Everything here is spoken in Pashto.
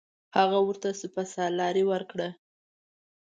هغه ورته سپه سالاري ورکړه.